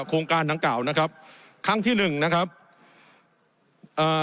โครงการดังกล่าวนะครับครั้งที่หนึ่งนะครับเอ่อ